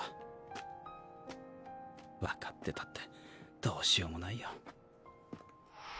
分かってたってどうしようもないよ。